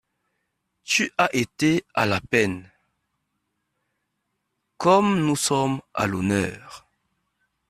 Tu as été à la peine, comme nous sommes à l'honneur.